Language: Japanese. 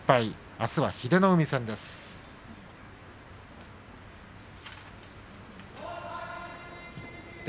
あすは英乃海戦です。